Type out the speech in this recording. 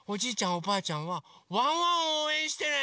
おばあちゃんはワンワンをおうえんしてね！